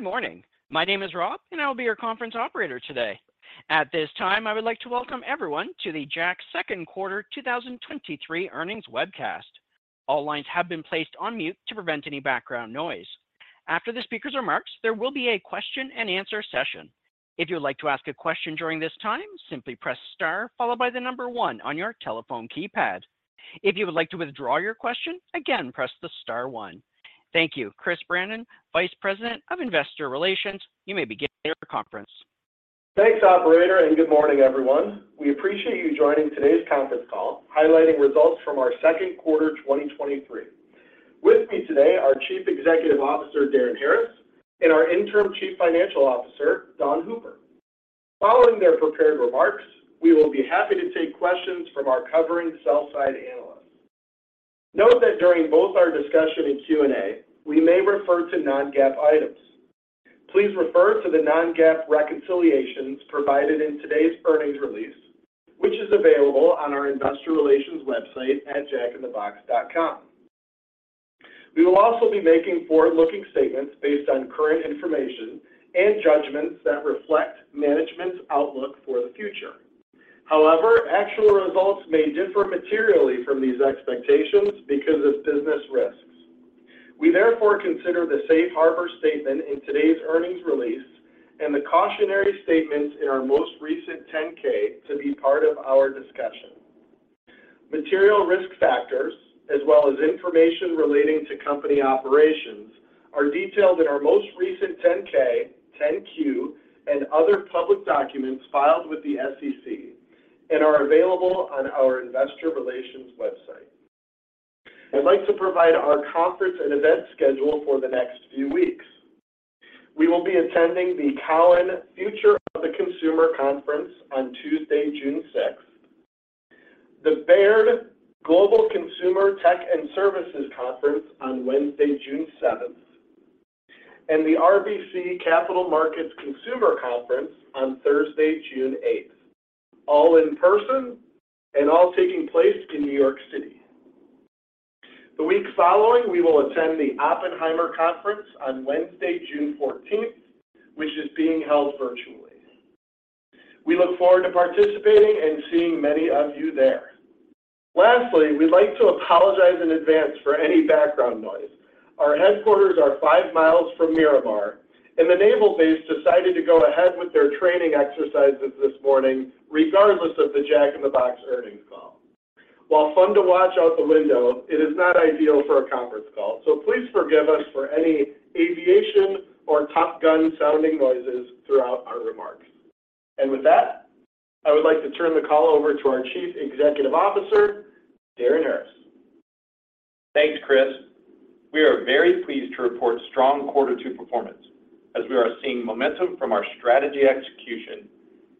Good morning. My name is Rob, and I will be your conference operator today. At this time, I would like to welcome everyone to the Jack's 2nd quarter 2023 earnings webcast. All lines have been placed on mute to prevent any background noise. After the speaker's remarks, there will be a question and answer session. If you'd like to ask a question during this time, simply press star one on your telephone keypad. If you would like to withdraw your question, again, press star one. Thank you. Chris Brandon, Vice President of Investor Relations, you may begin your conference. Thanks, operator, and good morning, everyone. We appreciate you joining today's conference call highlighting results from our 2nd quarter 2023. With me today, our Chief Executive Officer, Darin Harris, and our Interim Chief Financial Officer, Dawn Hooper. Following their prepared remarks, we will be happy to take questions from our covering sell-side analysts. Note that during both our discussion and Q&A, we may refer to non-GAAP items. Please refer to the non-GAAP reconciliations provided in today's earnings release, which is available on our investor relations website at jackinthebox.com. We will also be making forward-looking statements based on current information and judgments that reflect management's outlook for the future. However, actual results may differ materially from these expectations because of business risks. We therefore consider the safe harbor statement in today's earnings release and the cautionary statements in our most recent 10-K to be part of our discussion. Material risk factors as well as information relating to company operations are detailed in our most recent 10-K, 10-Q, and other public documents filed with the SEC and are available on our investor relations website. I'd like to provide our conference and event schedule for the next few weeks. We will be attending the Cowen Future of the Consumer Conference on Tuesday, June 6th, the Baird Global Consumer Tech and Services Conference on Wednesday, June seventh, and the RBC Capital Markets Consumer Conference on Thursday, June 8th, all in person and all taking place in New York City. The week following, we will attend the Oppenheimer Conference on Wednesday, June fourteenth, which is being held virtually. We look forward to participating and seeing many of you there. Lastly, we'd like to apologize in advance for any background noise. Our headquarters are 5 mi from Miramar. The naval base decided to go ahead with their training exercises this morning regardless of the Jack in the Box earnings call. While fun to watch out the window, it is not ideal for a conference call. Please forgive us for any aviation or Top Gun sounding noises throughout our remarks. With that, I would like to turn the call over to our Chief Executive Officer, Darin Harris. Thanks, Chris. We are very pleased to report strong quarter two performance as we are seeing momentum from our strategy execution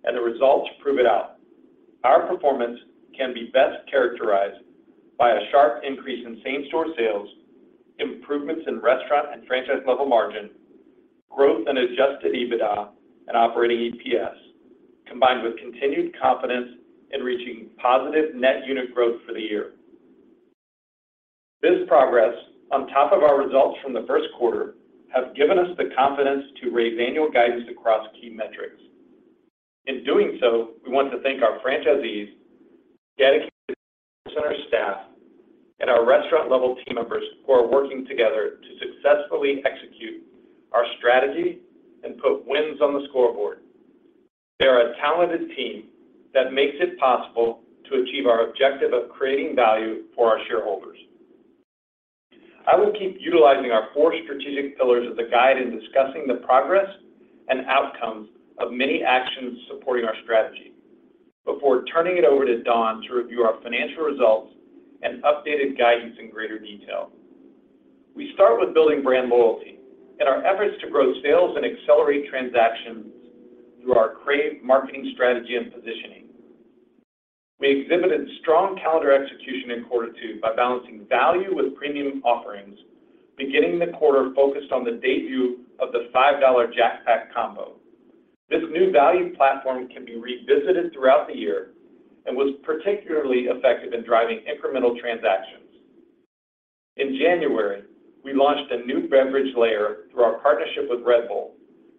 and the results prove it out. Our performance can be best characterized by a sharp increase in same-store sales, improvements in restaurant and franchise level margin, growth in adjusted EBITDA and operating EPS, combined with continued confidence in reaching positive net unit growth for the year. This progress on top of our results from the 1st quarter have given us the confidence to raise annual guidance across key metrics. In doing so, we want to thank our franchisees, dedicated center staff, and our restaurant level team members who are working together to successfully execute our strategy and put wins on the scoreboard. They are a talented team that makes it possible to achieve our objective of creating value for our shareholders. I will keep utilizing our four strategic pillars as a guide in discussing the progress and outcomes of many actions supporting our strategy before turning it over to Dawn to review our financial results and updated guidance in greater detail. We start with building brand loyalty and our efforts to grow sales and accelerate transactions through our Crave marketing strategy and positioning. We exhibited strong calendar execution in quarter two by balancing value with premium offerings beginning the quarter focused on the debut of the $5 Jack Pack combo. This new value platform can be revisited throughout the year and was particularly effective in driving incremental transactions. In January, we launched a new beverage layer through our partnership with Red Bull,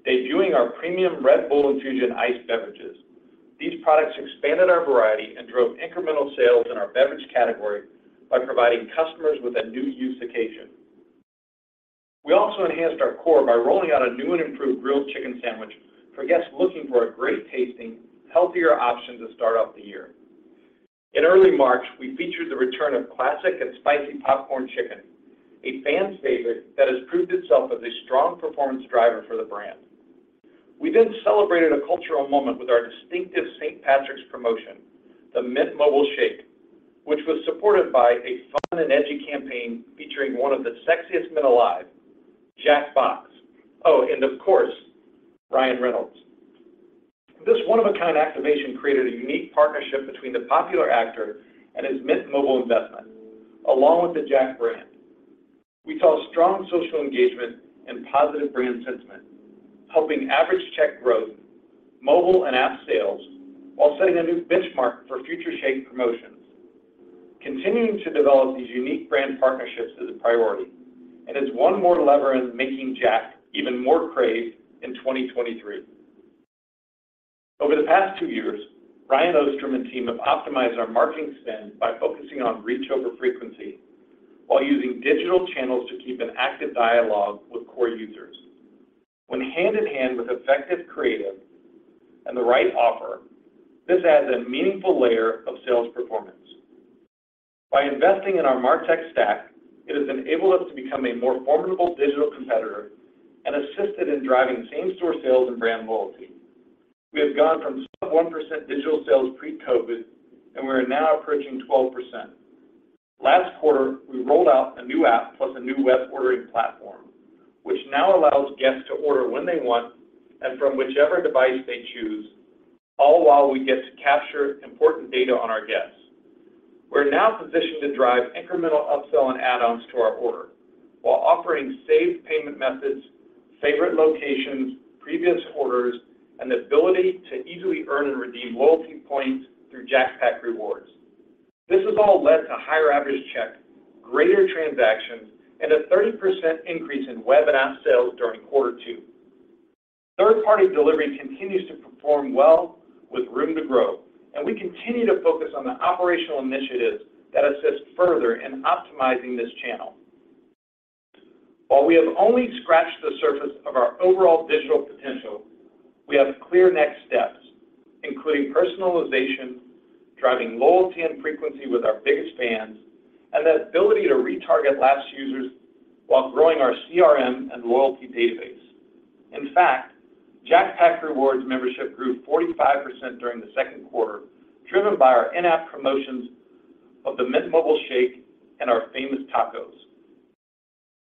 debuting our premium Red Bull Infusion iced beverages. These products expanded our variety and drove incremental sales in our beverage category by providing customers with a new use occasion. We also enhanced our core by rolling out a new and improved grilled chicken sandwich for guests looking for a great tasting, healthier option to start off the year. In early March, we featured the return of classic and spicy Popcorn Chicken, a fan's favorite that has proved itself as a strong performance driver for the brand. We celebrated a cultural moment with our distinctive St. Patrick's promotion, the Mint Mobile Shake, which was supported by a fun and edgy campaign featuring one of the sexiest men alive, Jack in the Box. Of course, Ryan Reynolds. This one of a kind activation created a unique partnership between the popular actor and his Mint Mobile investment. Along with the Jack brand, we saw strong social engagement and positive brand sentiment, helping average check growth, mobile and app sales while setting a new benchmark for future shake promotions. Continuing to develop these unique brand partnerships is a priority, and it's one more lever in making Jack even more Crave in 2023. Over the past two years, Ryan Ostrom and team have optimized our marketing spend by focusing on reach over frequency while using digital channels to keep an active dialogue with core users. When hand in hand with effective creative and the right offer, this adds a meaningful layer of sales performance. By investing in our MarTech stack, it has enabled us to become a more formidable digital competitor and assisted in driving same-store sales and brand loyalty. We have gone from sub 1% digital sales pre-COVID, we are now approaching 12%. Last quarter, we rolled out a new app plus a new web ordering platform, which now allows guests to order when they want and from whichever device they choose, all while we get to capture important data on our guests. We're now positioned to drive incremental upsell and add-ons to our order while offering saved payment methods, favorite locations, previous orders, and the ability to easily earn and redeem loyalty points through Jack Pack Rewards. This has all led to higher average check, greater transactions, and a 30% increase in web and app sales during quarter two. 3rd-party delivery continues to perform well with room to grow, and we continue to focus on the operational initiatives that assist further in optimizing this channel. While we have only scratched the surface of our overall digital potential, we have clear next steps, including personalization, driving loyalty and frequency with our biggest fans, and the ability to retarget lapsed users while growing our CRM and loyalty database. In fact, Jack Pack Rewards membership grew 45% during the 2nd quarter, driven by our in-app promotions of the Mint Mobile Shake and our famous tacos.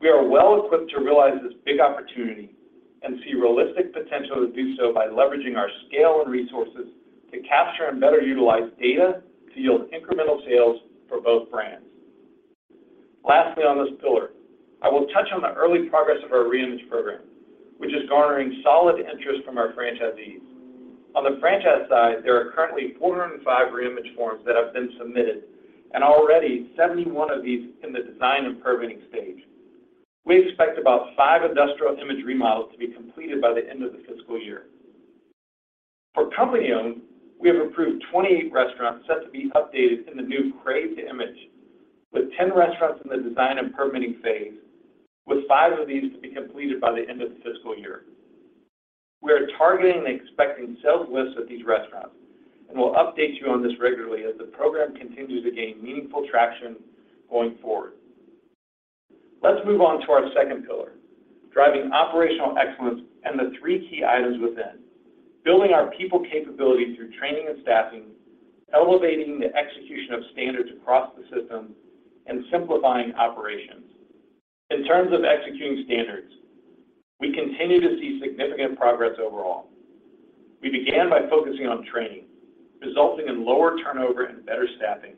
We are well equipped to realize this big opportunity and see realistic potential to do so by leveraging our scale and resources to capture and better utilize data to yield incremental sales for both brands. Lastly, on this pillar, I will touch on the early progress of our reimage program, which is garnering solid interest from our franchisees. On the franchise side, there are currently 405 reimage forms that have been submitted. Already 71 of these in the design and permitting stage. We expect about five industrial image remodels to be completed by the end of the fiscal year. For company-owned, we have approved 28 restaurants set to be updated in the new Crave image, with 10 restaurants in the design and permitting phase, with five of these to be completed by the end of the fiscal year. We are targeting and expecting sales lifts at these restaurants, and we'll update you on this regularly as the program continues to gain meaningful traction going forward. Let's move on to our 2nd pillar, driving operational excellence and the three key items within. Building our people capability through training and staffing, elevating the execution of standards across the system, and simplifying operations. In terms of executing standards, we continue to see significant progress overall. We began by focusing on training, resulting in lower turnover and better staffing,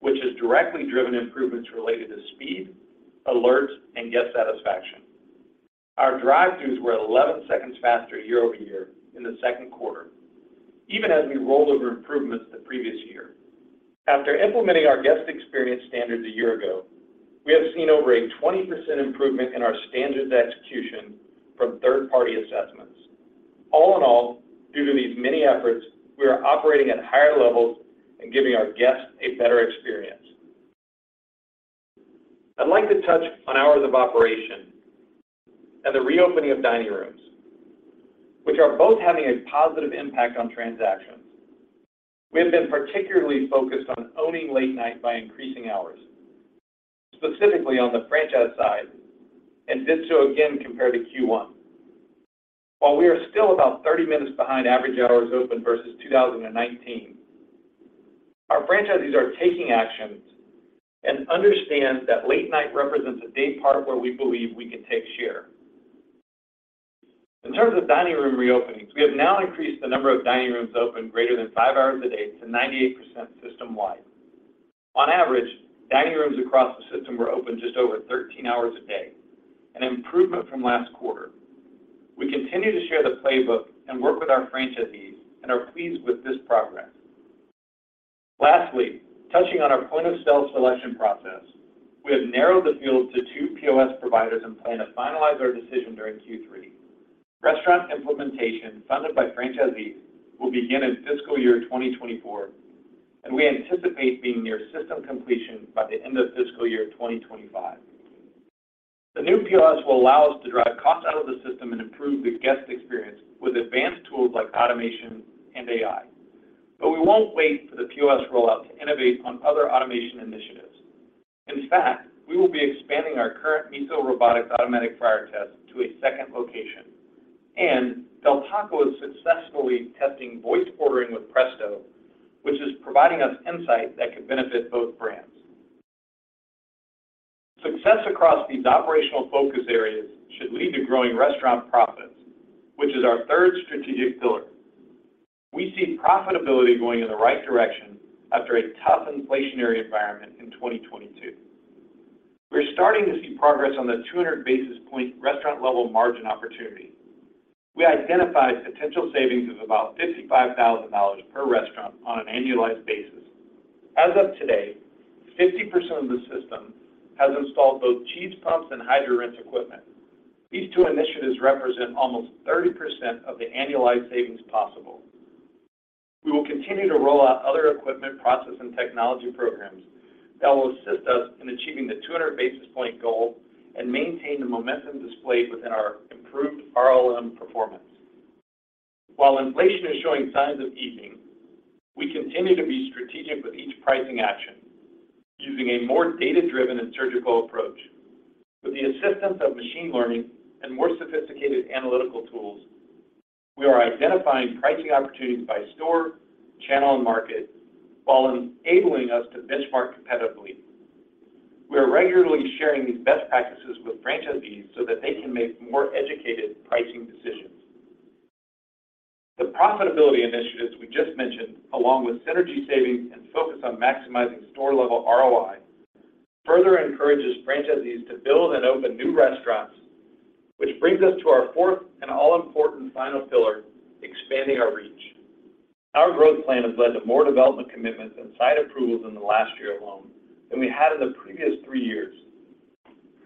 which has directly driven improvements related to speed, alerts, and guest satisfaction. Our drive-throughs were 11 seconds faster year-over-year in the 2nd quarter, even as we rolled over improvements the previous year. After implementing our guest experience standards a year ago, we have seen over a 20% improvement in our standards execution from third-party assessments. All in all, due to these many efforts, we are operating at higher levels and giving our guests a better experience. I'd like to touch on hours of operation and the reopening of dining rooms, which are both having a positive impact on transactions. We have been particularly focused on owning late night by increasing hours, specifically on the franchise side, and did so again compared to Q1. While we are still about 30 minutes behind average hours open versus 2019, our franchisees are taking actions and understand that late night represents a day part where we believe we can take share. In terms of dining room reopenings, we have now increased the number of dining rooms open greater than 5 hours a day to 98% system-wide. On average, dining rooms across the system were open just over 13 hours a day, an improvement from last quarter. We continue to share the playbook and work with our franchisees and are pleased with this progress. Touching on our point-of-sale selection process, we have narrowed the field to two POS providers and plan to finalize our decision during Q3. Restaurant implementation funded by franchisees will begin in fiscal year 2024, and we anticipate being near system completion by the end of fiscal year 2025. The new POS will allow us to drive cost out of the system and improve the guest experience with advanced tools like automation and AI. We won't wait for the POS rollout to innovate on other automation initiatives. In fact, we will be expanding our current Miso Robotics automatic fryer test to a 2nd location. Del Taco is successfully testing voice ordering with Presto, which is providing us insight that could benefit both brands. Success across these operational focus areas should lead to growing restaurant profits, which is our third strategic pillar. We see profitability going in the right direction after a tough inflationary environment in 2022. We're starting to see progress on the 200 basis point Restaurant-Level Margin opportunity. We identified potential savings of about $55,000 per restaurant on an annualized basis. As of today, 50% of the system has installed both cheese pumps and Hydro-Rinse equipment. These two initiatives represent almost 30% of the annualized savings possible. We will continue to roll out other equipment, process, and technology programs that will assist us in achieving the 200 basis point goal and maintain the momentum displayed within our improved RLM performance. While inflation is showing signs of easing, we continue to be strategic with each pricing action using a more data-driven and surgical approach. With the assistance of machine learning and more sophisticated analytical tools, we are identifying pricing opportunities by store, channel, and market while enabling us to benchmark competitively. We are regularly sharing these best practices with franchisees so that they can make more educated pricing decisions. The profitability initiatives we just mentioned, along with synergy savings and focus on maximizing store-level ROI, further encourages franchisees to build and open new restaurants, which brings us to our fourth and all-important final pillar, expanding our reach. Our growth plan has led to more development commitments and site approvals in the last year alone than we had in the previous three years.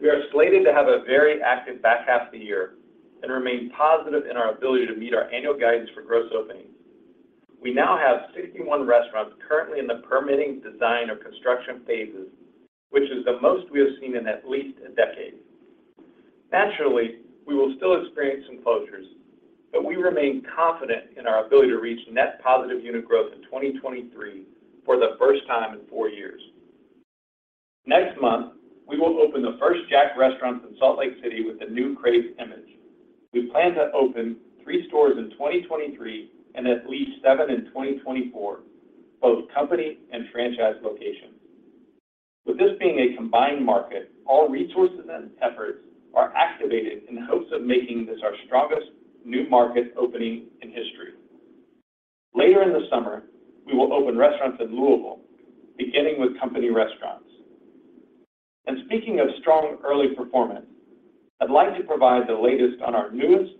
We are slated to have a very active back half of the year and remain positive in our ability to meet our annual guidance for gross openings. We now have 61 restaurants currently in the permitting design or construction phases, which is the most we have seen in at least a decade. Naturally, we will still experience some closures, but we remain confident in our ability to reach net positive unit growth in 2023 for the 1st time in four years. Next month, we will open the 1st Jack restaurant in Salt Lake City with a new Crave image. We plan to open three stores in 2023 and at least seven in 2024, both company and franchise locations. With this being a combined market, all resources and efforts are activated in hopes of making this our strongest new market opening in history. Later in the summer, we will open restaurants in Louisville, beginning with company restaurants. Speaking of strong early performance, I'd like to provide the latest on our newest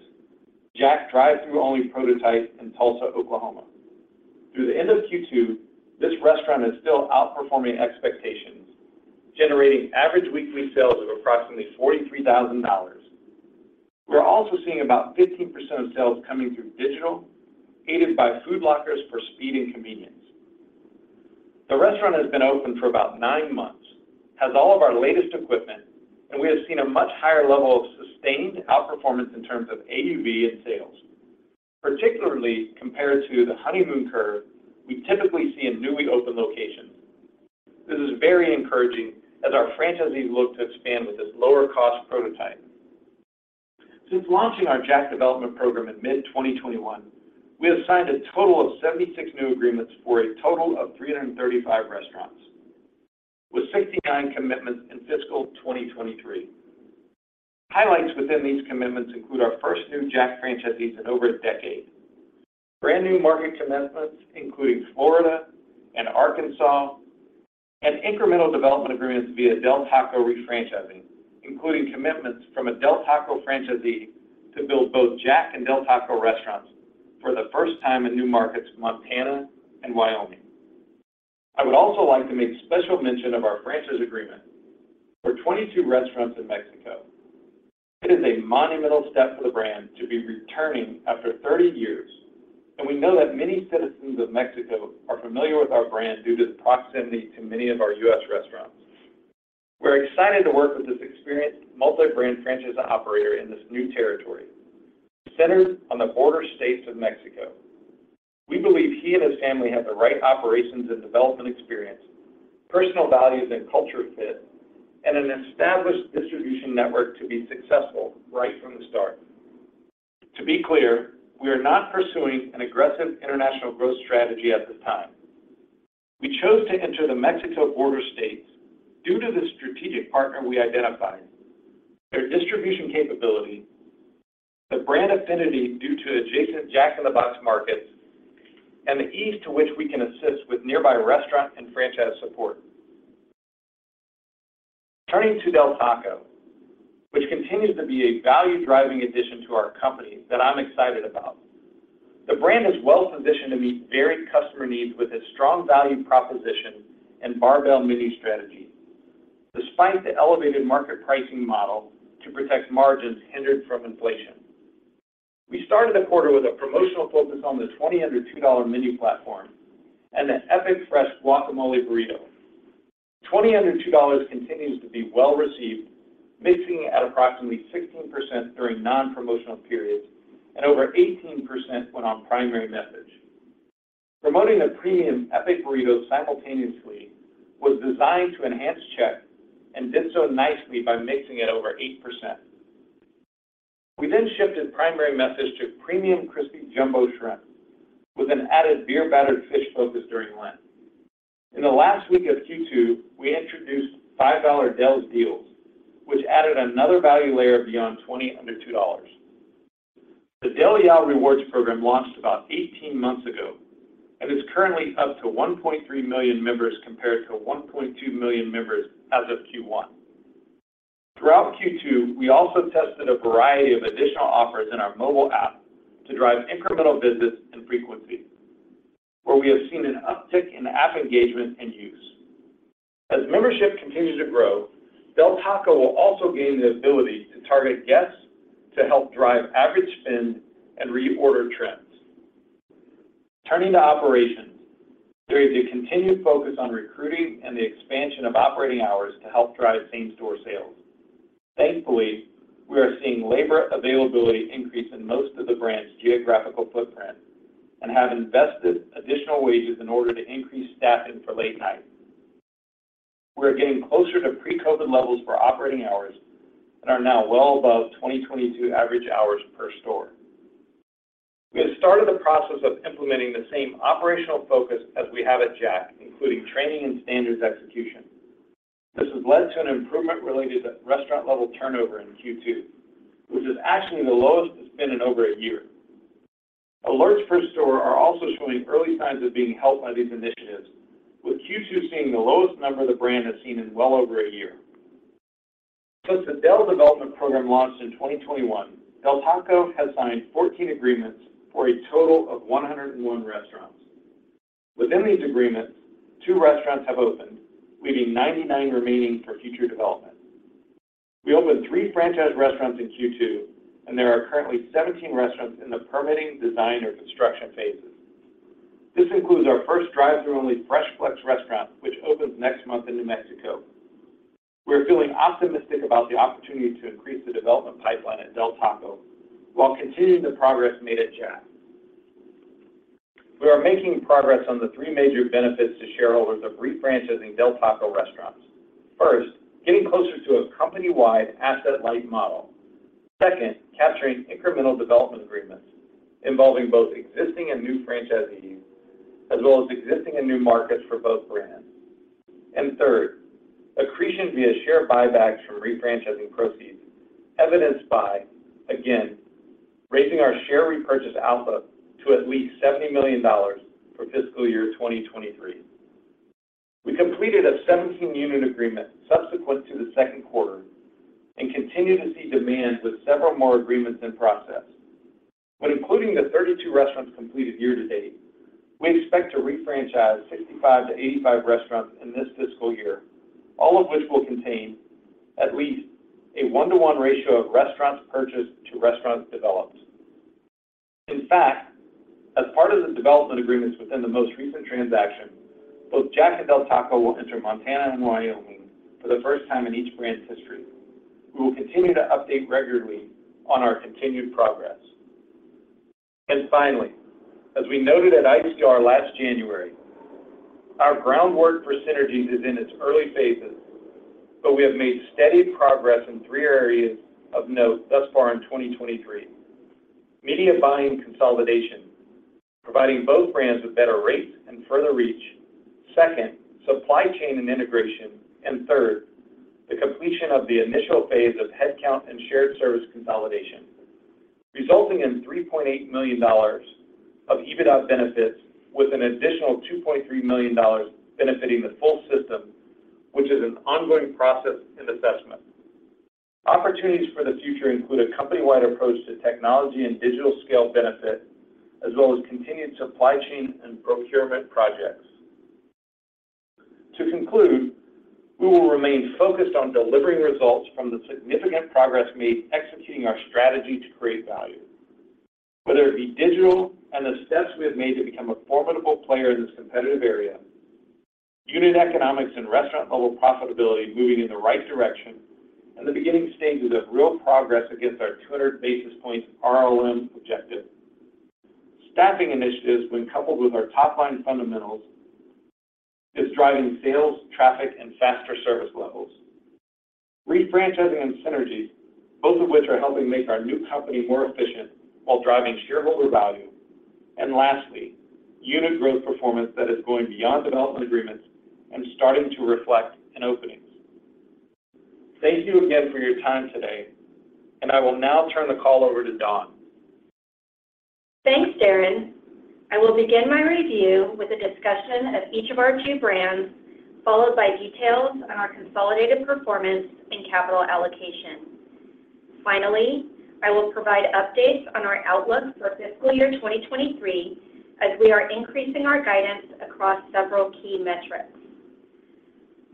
Jack drive-thru only prototype in Tulsa, Oklahoma. Through the end of Q2, this restaurant is still outperforming expectations, generating average weekly sales of approximately $43,000. We're also seeing about 15% of sales coming through digital, aided by food lockers for speed and convenience. The restaurant has been open for about nine months, has all of our latest equipment, and we have seen a much higher level of sustained outperformance in terms of AUV and sales, particularly compared to the honeymoon curve we typically see in newly opened locations. This is very encouraging as our franchisees look to expand with this lower cost prototype. Since launching our Jack development program in mid-2021, we have signed a total of 76 new agreements for a total of 335 restaurants, with 69 commitments in fiscal 2023. Highlights within these commitments include our 1st new Jack franchisees in over a decade. Brand new market commitments including Florida and Arkansas, and incremental development agreements via Del Taco refranchising, including commitments from a Del Taco franchisees to build both Jack and Del Taco restaurants for the 1st time in new markets, Montana and Wyoming. I would also like to make special mention of our franchise agreement for 22 restaurants in Mexico. It is a monumental step for the brand to be returning after 30 years, and we know that many citizens of Mexico are familiar with our brand due to the proximity to many of our U.S. restaurants. We're excited to work with this experienced multi-brand franchise operator in this new territory, centered on the border states of Mexico. We believe he and his family have the right operations and development experience, personal values and culture fit, and an established distribution network to be successful right from the start. To be clear, we are not pursuing an aggressive international growth strategy at this time. We chose to enter the Mexico border states due to the strategic partner we identified, their distribution capability, the brand affinity due to adjacent Jack in the Box markets, and the ease to which we can assist with nearby restaurant and franchise support. Turning to Del Taco, which continues to be a value-driving addition to our company that I'm excited about. The brand is well-positioned to meet varied customer needs with its strong value proposition and barbell menu strategy. Despite the elevated market pricing model to protect margins hindered from inflation, we started the quarter with a promotional focus on the 20 Under $2 menu platform and the Epic Fresh Guacamole Burrito. 20 Under $2 continues to be well-received, mixing at approximately 16% during non-promotional periods and over 18% when on primary message. Promoting the premium Epic Burrito simultaneously was designed to enhance check and did so nicely by mixing at over 8%. We shifted primary message to premium Crispy Jumbo Shrimp with an added beer-battered fish focus during Lent. In the last week of Q2, we introduced $5 Del's Deals, which added another value layer beyond 20 Under $2. The Del Yeah Rewards program launched about 18 months ago and is currently up to 1.3 million members compared to 1.2 million members as of Q1. Throughout Q2, we also tested a variety of additional offers in our mobile app to drive incremental visits and frequency, where we have seen an uptick in app engagement and use. As membership continues to grow, Del Taco will also gain the ability to target guests to help drive average spend and reorder trends. Turning to operations, there is a continued focus on recruiting and the expansion of operating hours to help drive same-store sales. Thankfully, we are seeing labor availability increase in most of the brand's geographical footprint and have invested additional wages in order to increase staffing for late night. We are getting closer to pre-COVID levels for operating hours and are now well above 2022 average hours per store. We have started the process of implementing the same operational focus as we have at Jack, including training and standards execution. This has led to an improvement related to restaurant-level turnover in Q2, which is actually the lowest it's been in over a year. Alarms per store are also showing early signs of being helped by these initiatives, with Q2 seeing the lowest number the brand has seen in well over a year. Since the Del development program launched in 2021, Del Taco has signed 14 agreements for a total of 101 restaurants. Within these agreements, two restaurants have opened, leaving 99 remaining for future development. We opened three franchise restaurants in Q2, and there are currently 17 restaurants in the permitting, design, or construction phases. This includes our 1st drive-through-only Fresh Flex restaurant, which opens next month in New Mexico. We are feeling optimistic about the opportunity to increase the development pipeline at Del Taco while continuing the progress made at Jack. We are making progress on the three major benefits to shareholders of refranchising Del Taco restaurants. First, getting closer to a company-wide asset-light model. Second, capturing incremental development agreements involving both existing and new franchisees, as well as existing and new markets for both brands. Third, accretion via share buybacks from refranchising proceeds, evidenced by, again, raising our share repurchase output to at least $70 million for fiscal year 2023. We completed a 17-unit agreement subsequent to the 2nd quarter and continue to see demand with several more agreements in process. When including the 32 restaurants completed year to date, we expect to refranchise 65-85 restaurants in this fiscal year, all of which will contain at least a 1-to-1 ratio of restaurants purchased to restaurants developed. In fact, as part of the development agreements within the most recent transaction, both Jack and Del Taco will enter Montana and Wyoming for the 1st time in each brand's history. We will continue to update regularly on our continued progress. Finally, as we noted at ICR last January, we have made steady progress in three areas of note thus far in 2023. Media buying consolidation, providing both brands with better rates and further reach. Second, supply chain and integration. Third, the completion of the initial phase of headcount and shared service consolidation, resulting in $3.8 million of EBITDA benefits with an additional $2.3 million benefiting the full system, which is an ongoing process and assessment. Opportunities for the future include a company-wide approach to technology and digital scale benefit, as well as continued supply chain and procurement projects. To conclude, we will remain focused on delivering results from the significant progress made executing our strategy to create value, whether it be digital and the steps we have made to become a formidable player in this competitive area, unit economics and restaurant level profitability moving in the right direction, and the beginning stages of real progress against our 200 basis points RLM objective. Staffing initiatives when coupled with our top-line fundamentals is driving sales, traffic, and faster service levels. Refranchising and synergies, both of which are helping make our new company more efficient while driving shareholder value. Lastly, unit growth performance that is going beyond development agreements and starting to reflect in openings. Thank you again for your time today, and I will now turn the call over to Dawn. Thanks, Darin. I will begin my review with a discussion of each of our two brands, followed by details on our consolidated performance and capital allocation. Finally, I will provide updates on our outlook for fiscal year 2023 as we are increasing our guidance across several key metrics.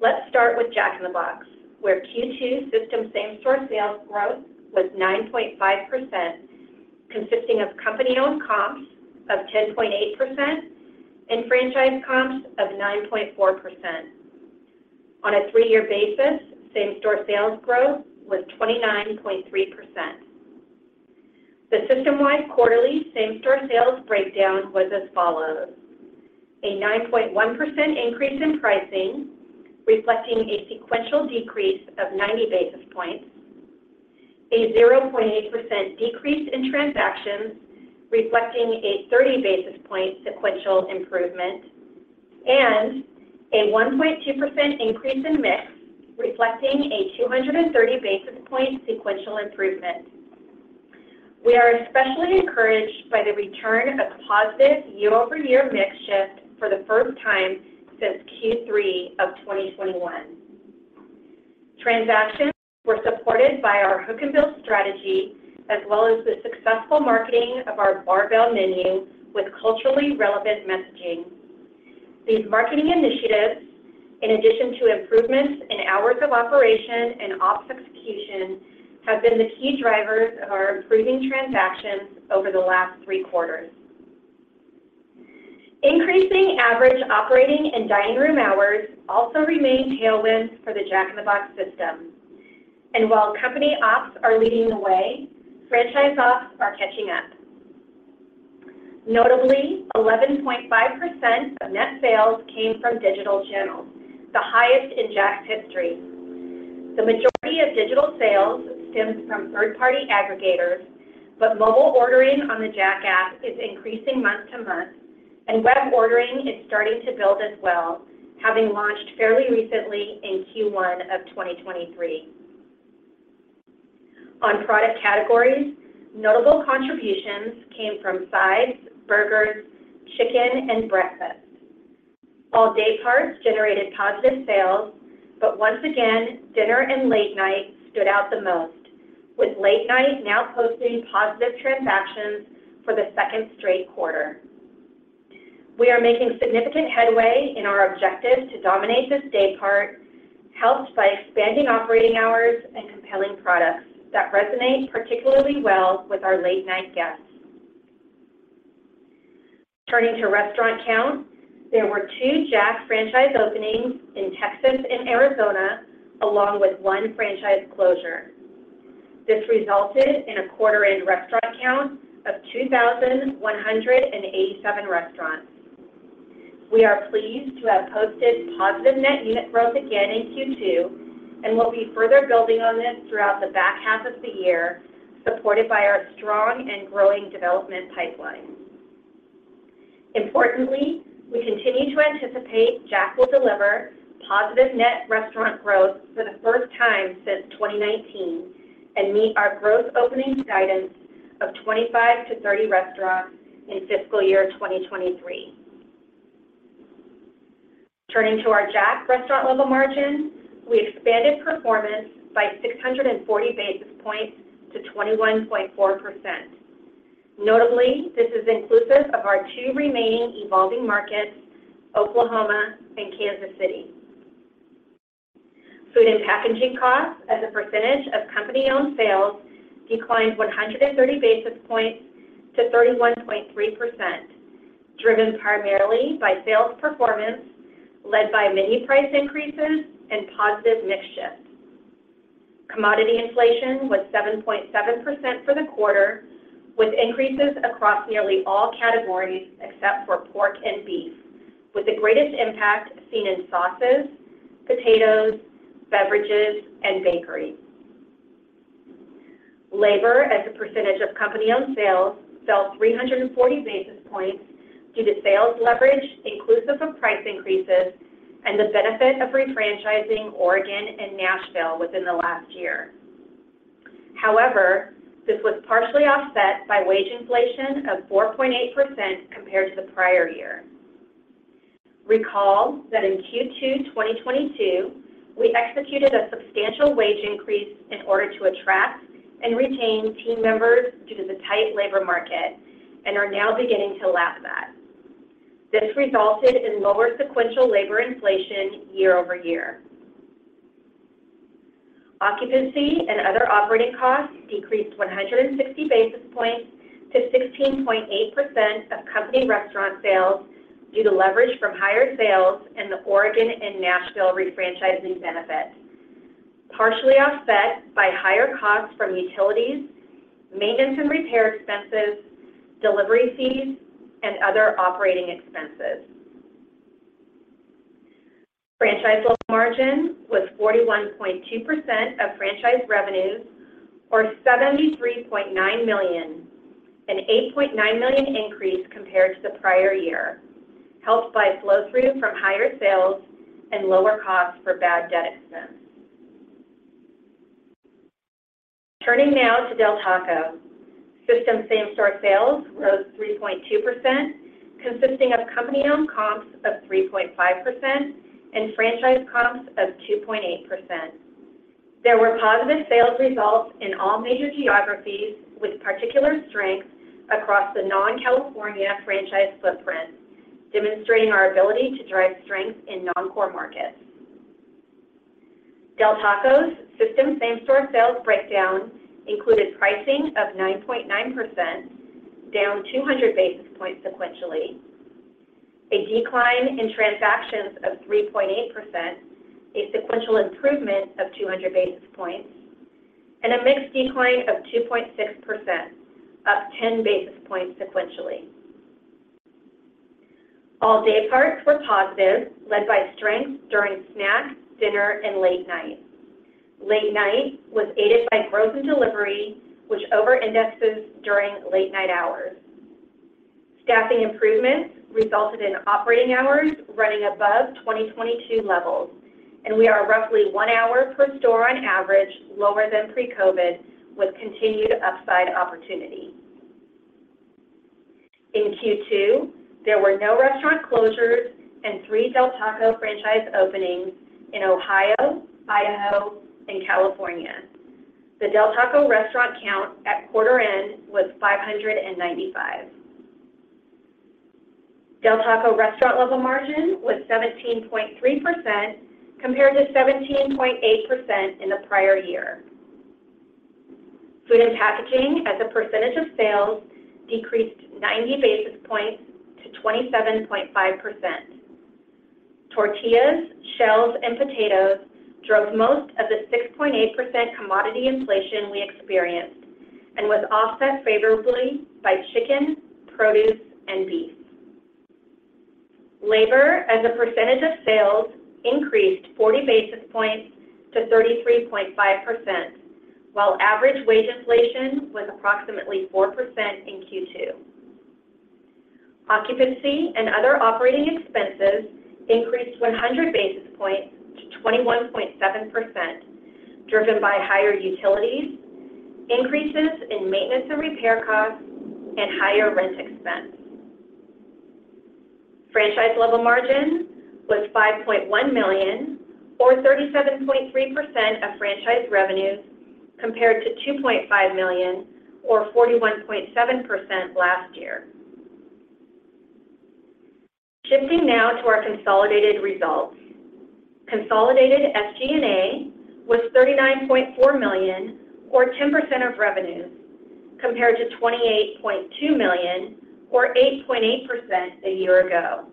Let's start with Jack in the Box, where Q2 system same-store sales growth was 9.5%, consisting of company-owned comps of 10.8% and franchise comps of 9.4%. On a three-year basis, same-store sales growth was 29.3%. The system-wide quarterly same-store sales breakdown was as follows. A 9.1% increase in pricing, reflecting a sequential decrease of 90 basis points. A 0.8% decrease in transactions, reflecting a 30 basis point sequential improvement, a 1.2% increase in mix, reflecting a 230 basis point sequential improvement. We are especially encouraged by the return of positive year-over-year mix shift for the 1st time since Q3 of 2021. Transactions were supported by our hook and build strategy as well as the successful marketing of our barbell menu with culturally relevant messaging. These marketing initiatives, in addition to improvements in hours of operation and ops execution, have been the key drivers of our improving transactions over the last three quarters. Increasing average operating and dining room hours also remain tailwinds for the Jack in the Box system. While company ops are leading the way, franchise ops are catching up. Notably, 11.5% of net sales came from digital channels, the highest in Jack's history. Mobile ordering on the Jack app is increasing month to month, and web ordering is starting to build as well, having launched fairly recently in Q1 of 2023. On product categories, notable contributions came from sides, burgers, chicken and breakfast. All day parts generated positive sales, but once again, dinner and late night stood out the most, with late night now posting positive transactions for the 2nd straight quarter. We are making significant headway in our objective to dominate this day part, helped by expanding operating hours and compelling products that resonate particularly well with our late-night guests. Turning to restaurant count, there were two Jack franchise openings in Texas and Arizona, along with one franchise closure. This resulted in a quarter end restaurant count of 2,187 restaurants. We are pleased to have posted positive net unit growth again in Q2. We'll be further building on this throughout the back half of the year, supported by our strong and growing development pipeline. Importantly, we continue to anticipate Jack will deliver positive net restaurant growth for the 1st time since 2019 and meet our growth opening guidance of 25-30 restaurants in fiscal year 2023. Turning to our Jack Restaurant-Level Margin, we expanded performance by 640 basis points to 21.4%. Notably, this is inclusive of our two remaining evolving markets, Oklahoma and Kansas City. Food and packaging costs as a percentage of company-owned sales declined 130 basis points to 31.3%, driven primarily by sales performance led by menu price increases and positive mix shift. Commodity inflation was 7.7% for the quarter, with increases across nearly all categories except for pork and beef, with the greatest impact seen in sauces, potatoes, beverages and bakery. Labor as a percentage of company-owned sales fell 340 basis points due to sales leverage inclusive of price increases and the benefit of refranchising Oregon and Nashville within the last year. This was partially offset by wage inflation of 4.8% compared to the prior year. Recall that in Q2 2022, we executed a substantial wage increase in order to attract and retain team members due to the tight labor market and are now beginning to lap that. This resulted in lower sequential labor inflation year-over-year. Occupancy and other operating costs decreased 160 basis points to 16.8% of company restaurant sales due to leverage from higher sales and the Oregon and Nashville refranchising benefit, partially offset by higher costs from utilities, maintenance and repair expenses, delivery fees, and other operating expenses. Franchise margin was 41.2% of franchise revenues, or $73.9 million, an $8.9 million increase compared to the prior year, helped by flow through from higher sales and lower costs for bad debt expense. Turning now to Del Taco. System same-store sales rose 3.2%, consisting of company-owned comps of 3.5% and franchise comps of 2.8%. There were positive sales results in all major geographies, with particular strength across the non-California franchise footprint, demonstrating our ability to drive strength in non-core markets. Del Taco's system same-store sales breakdown included pricing of 9.9%, down 200 basis points sequentially, a decline in transactions of 3.8%, a sequential improvement of 200 basis points, and a mix decline of 2.6%, up 10 basis points sequentially. All day parts were positive, led by strength during snack, dinner and late night. Late night was aided by growth in delivery, which over indexed this during late night hours. Staffing improvements resulted in operating hours running above 2022 levels. We are roughly 1 hour per store on average lower than pre-COVID, with continued upside opportunity. In Q2, there were no restaurant closures and three Del Taco franchise openings in Ohio, Idaho and California. The Del Taco restaurant count at quarter end was 595. Del Taco Restaurant-Level Margin was 17.3% compared to 17.8% in the prior year. Food and packaging as a percentage of sales decreased 90 basis points to 27.5%. Tortillas, shells and potatoes drove most of the 6.8% commodity inflation we experienced and was offset favorably by chicken, produce and beef. Labor as a percentage of sales increased 40 basis points to 33.5%, while average wage inflation was approximately 4% in Q2. Occupancy and other operating expenses increased 100 basis points to 21.7%, driven by higher utilities, increases in maintenance and repair costs and higher rent expense. Franchise-level margin was $5.1 million or 37.3% of franchise revenues, compared to $2.5 million or 41.7% last year. Shifting now to our consolidated results. Consolidated SG&A was $39.4 million or 10% of revenues, compared to $28.2 million or 8.8% a year ago.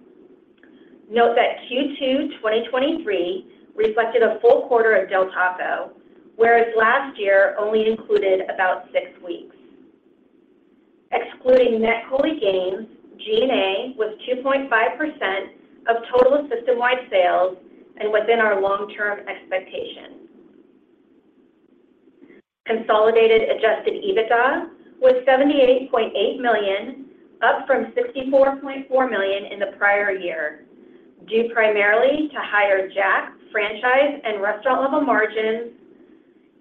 Note that Q2 2023 reflected a full quarter of Del Taco, whereas last year only included about six weeks. Excluding net COLI gains, G&A was 2.5% of total system-wide sales and within our long-term expectations. Consolidated adjusted EBITDA was $78.8 million, up from $64.4 million in the prior year, due primarily to higher Jack, franchise and restaurant level margins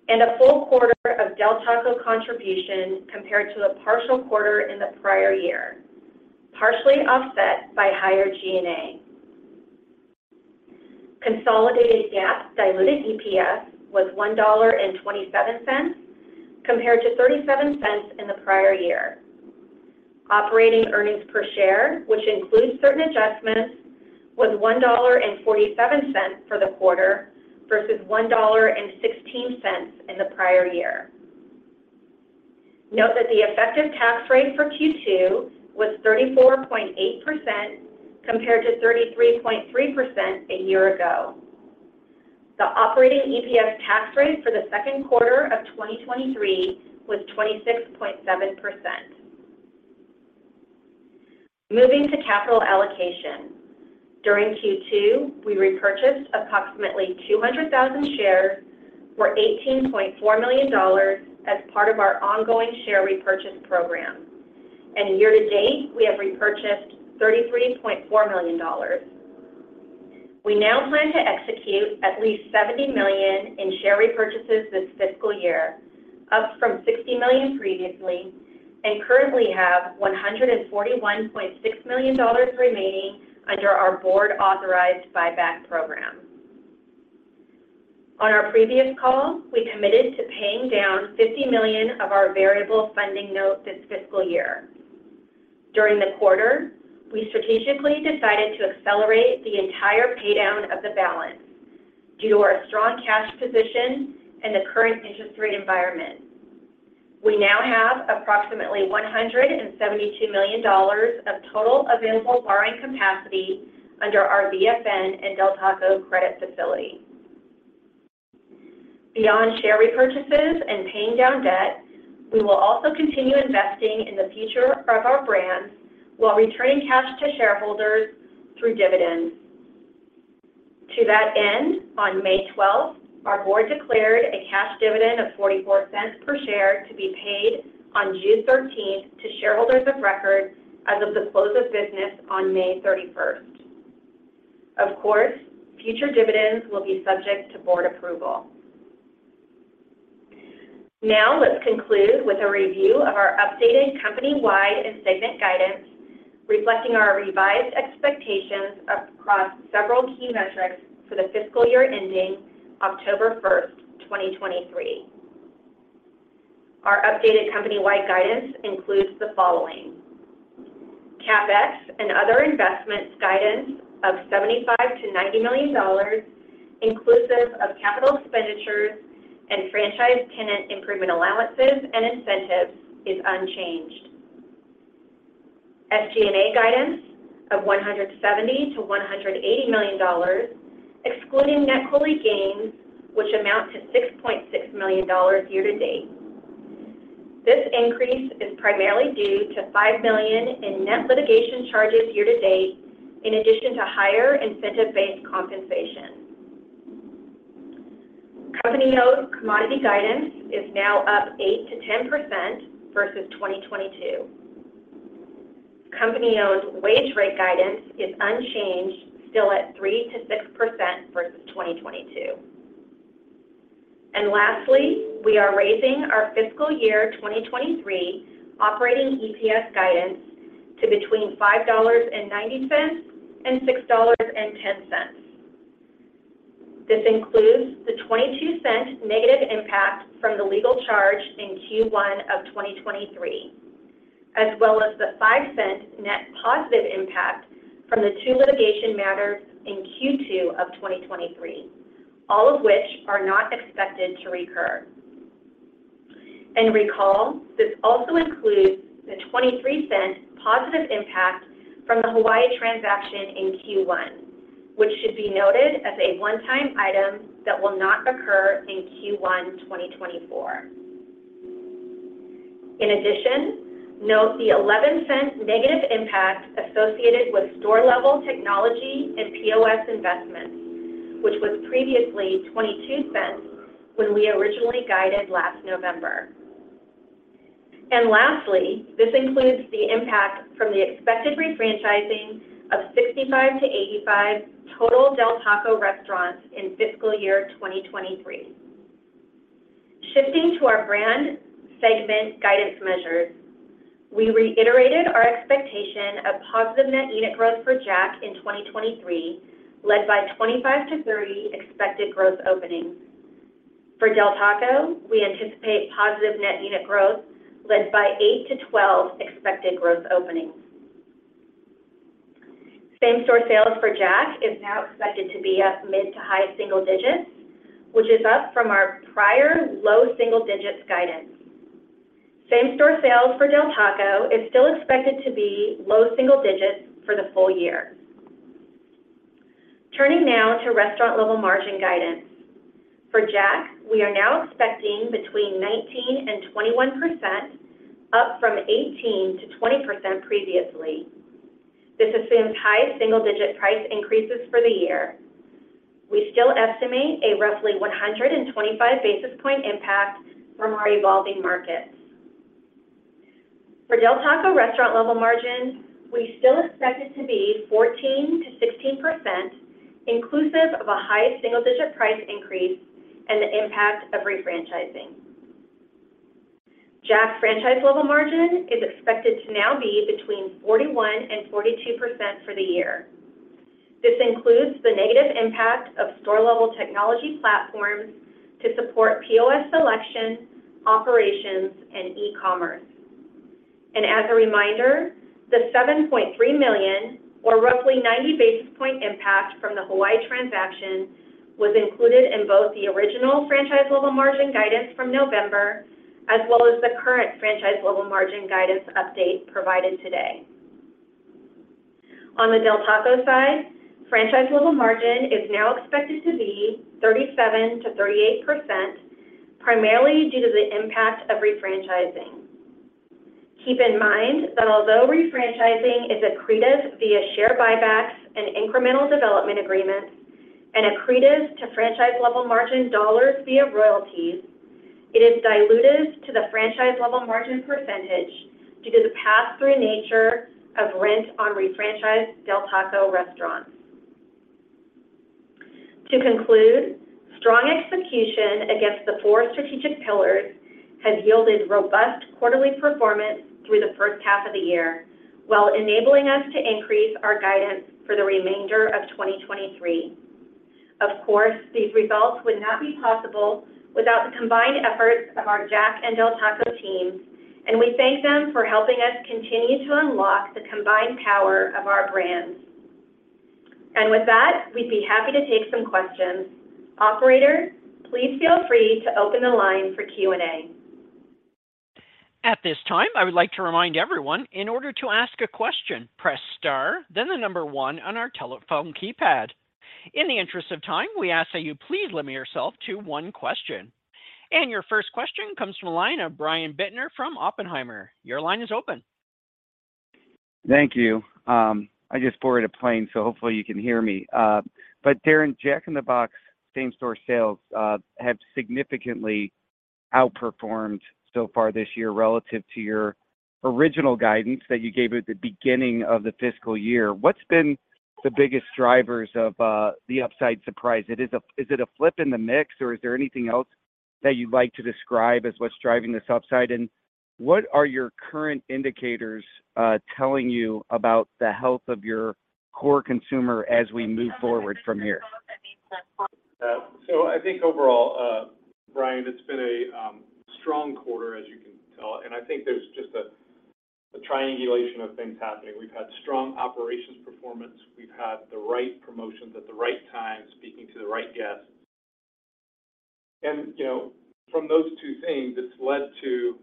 and a full quarter of Del Taco contribution compared to the partial quarter in the prior year, partially offset by higher G&A. Consolidated GAAP diluted EPS was $1.27 compared to $0.37 in the prior year. Operating earnings per share, which includes certain adjustments, was $1.47 for the quarter versus $1.16 in the prior year. Note that the effective tax rate for Q2 was 34.8% compared to 33.3% a year ago. The operating EPS tax rate for the 2nd quarter of 2023 was 26.7%. Moving to capital allocation. During Q2, we repurchased approximately 200,000 shares for $18.4 million as part of our ongoing share repurchase program, and year to date, we have repurchased $33.4 million. We now plan to execute at least $70 million in share repurchases this fiscal year, up from $60 million previously, and currently have $141.6 million remaining under our board authorized buyback program. On our previous call, we committed to paying down $50 million of our variable funding note this fiscal year. During the quarter, we strategically decided to accelerate the entire paydown of the balance due to our strong cash position and the current interest rate environment. We now have approximately $172 million of total available borrowing capacity under our VFN and Del Taco credit facility. Beyond share repurchases and paying down debt, we will also continue investing in the future of our brands while returning cash to shareholders through dividends. To that end, on May 12th, our board declared a cash dividend of $0.44 per share to be paid on June 13th to shareholders of record as of the close of business on May 31st. Of course, future dividends will be subject to board approval. Let's conclude with a review of our updated company-wide and segment guidance, reflecting our revised expectations across several key metrics for the fiscal year ending October 1st, 2023. Our updated company-wide guidance includes the following. CapEx and other investments guidance of $75 million-$90 million, inclusive of capital expenditures and franchise tenant improvement allowances and incentives is unchanged. SG&A guidance of $170 million-$180 million, excluding net COLI gains, which amount to $6.6 million year to date. This increase is primarily due to $5 million in net litigation charges year to date, in addition to higher incentive-based compensation. Company-owned commodity guidance is now up 8%-10% versus 2022. Company-owned wage rate guidance is unchanged, still at 3%-6% versus 2022. Lastly, we are raising our fiscal year 2023 operating EPS guidance to between $5.90 and $6.10. This includes the $0.22 negative impact from the legal charge in Q1 of 2023, as well as the $0.05 net positive impact from the two litigation matters in Q2 of 2023, all of which are not expected to recur. Recall, this also includes the $0.23 positive impact from the Hawaii transaction in Q1, which should be noted as a one-time item that will not recur in Q1 2024. In addition, note the $0.11 negative impact associated with store-level technology and POS investments, which was previously $0.22 when we originally guided last November. Lastly, this includes the impact from the expected refranchising of 65-85 total Del Taco restaurants in fiscal year 2023. Shifting to our brand segment guidance measures, we reiterated our expectation of positive net unit growth for Jack in 2023, led by 25-30 expected growth openings. For Del Taco, we anticipate positive net unit growth led by 8-12 expected growth openings. Same-store sales for Jack is now expected to be up mid to high single digits, which is up from our prior low single digits guidance. Same-store sales for Del Taco is still expected to be low single digits for the full year. Turning now to Restaurant-Level Margin guidance. For Jack, we are now expecting between 19% and 21%, up from 18%-20% previously. This assumes high single digit price increases for the year. We still estimate a roughly 125 basis point impact from our evolving markets. For Del Taco Restaurant-Level Margins, we still expect it to be 14%-16%, inclusive of a high single-digit price increase and the impact of refranchising. Jack franchise level margin is expected to now be between 41% and 42% for the year. This includes the negative impact of store-level technology platforms to support POS selection, operations, and e-commerce. As a reminder, the $7.3 million or roughly 90 basis point impact from the Hawaii transaction was included in both the original franchise level margin guidance from November, as well as the current franchise level margin guidance update provided today. On the Del Taco side, franchise level margin is now expected to be 37%-38%, primarily due to the impact of refranchising. Keep in mind that although refranchising is accretive via share buybacks and incremental development agreements and accretive to franchise level margin dollars via royalties, it is dilutive to the franchise level margin percentage due to the pass-through nature of rent on refranchised Del Taco restaurants. To conclude, strong execution against the four strategic pillars has yielded robust quarterly performance through the 1st half of the year while enabling us to increase our guidance for the remainder of 2023. Of course, these results would not be possible without the combined efforts of our Jack and Del Taco teams. We thank them for helping us continue to unlock the combined power of our brands. With that, we'd be happy to take some questions. Operator, please feel free to open the line for Q&A. At this time, I would like to remind everyone in order to ask a question, press star, then the one on our telephone keypad. In the interest of time, we ask that you please limit yourself to one question. Your 1st question comes from a line of Brian Bittner from Oppenheimer. Your line is open. Thank you. I just boarded a plane, so hopefully you can hear me. Darin, Jack in the Box same store sales have significantly outperformed so far this year relative to your original guidance that you gave at the beginning of the fiscal year. What's been the biggest drivers of the upside surprise? Is it a flip in the mix, or is there anything else that you'd like to describe as what's driving this upside? What are your current indicators telling you about the health of your core consumer as we move forward from here? I think overall, Brian, it's been a strong quarter, as you can tell, and I think there's just a triangulation of things happening. We've had strong operations performance. We've had the right promotions at the right time, speaking to the right guests. You know, from those two things, it's led to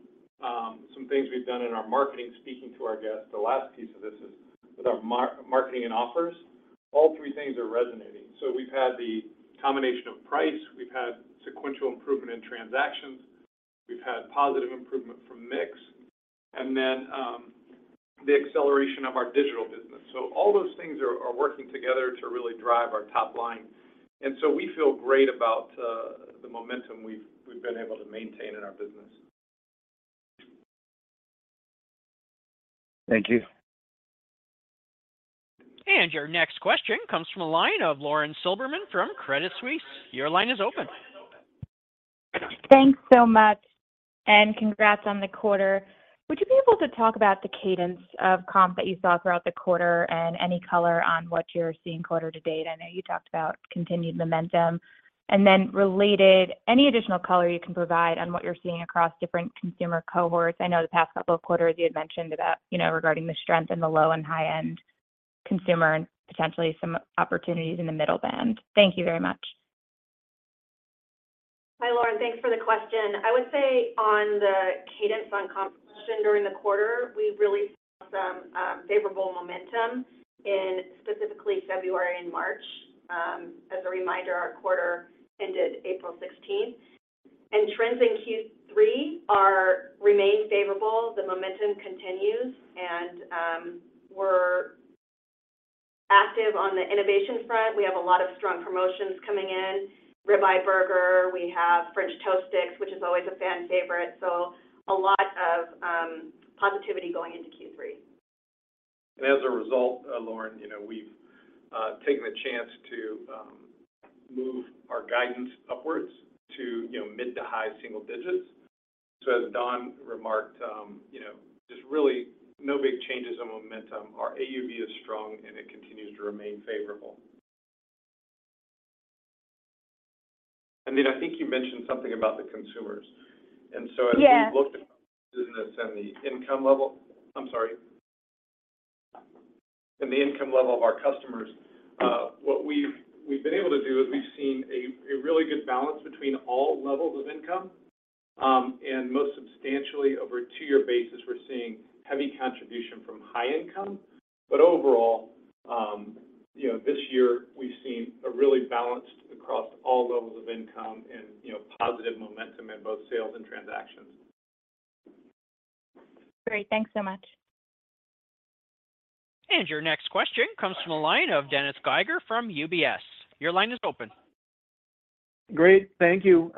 some things we've done in our marketing, speaking to our guests. The last piece of this is with our marketing and offers. All three things are resonating. We've had the combination of price, we've had sequential improvement in transactions, we've had positive improvement from mix, and then the acceleration of our digital business. All those things are working together to really drive our top line. We feel great about the momentum we've been able to maintain in our business. Thank you. Your next question comes from the line of Lauren Silberman from Credit Suisse. Your line is open. Thanks so much, and congrats on the quarter. Would you be able to talk about the cadence of comp that you saw throughout the quarter and any color on what you're seeing quarter to date? I know you talked about continued momentum. Then related, any additional color you can provide on what you're seeing across different consumer cohorts. I know the past couple of quarters you had mentioned about, you know, regarding the strength in the low and high-end consumer and potentially some opportunities in the middle band. Thank you very much. Hi, Lauren. Thanks for the question. I would say on the cadence on composition during the quarter, we really saw some favorable momentum in specifically February and March. As a reminder, our quarter ended April 16th. Trends in Q3 are remain favorable. The momentum continues, and we're active on the innovation front. We have a lot of strong promotions coming in. Ribeye Burger, we have French Toast Sticks, which is always a fan favorite. A lot of positivity going into Q3. As a result, Lauren, you know, we've taken the chance to move our guidance upwards to, you know, mid to high single digits. As Dawn remarked, you know, there's really no big changes in momentum. Our AUV is strong, and it continues to remain favorable. I think you mentioned something about the consumers. Yeah... looked at business and the income level... I'm sorry. The income level of our customers, what we've been able to do is we've seen a really good balance between all levels of income. Most substantially over a two-year basis, we're seeing heavy contribution from high income. Overall, you know, this year we've seen a really balanced across all levels of income and, you know, positive momentum in both sales and transactions. Great. Thanks so much. Your next question comes from the line of Dennis Geiger from UBS. Your line is open. Great. Thank you.